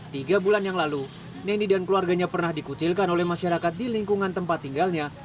tiga bulan yang lalu neni dan keluarganya pernah dikucilkan oleh masyarakat di lingkungan tempat tinggalnya